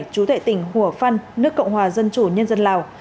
chú thệ tỉnh hùa phăn nước cộng hòa dân chủ nhân dân lào